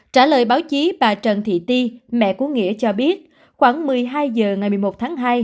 trả lời báo chí bà trần thị ti mẹ của nghĩa cho biết khoảng một mươi hai h ngày một mươi một tháng hai